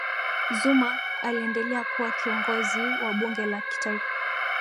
zuma aliendelea kuwa kiongozi wa bunge la kitaifa